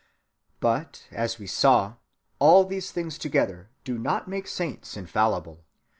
But, as we saw, all these things together do not make saints infallible.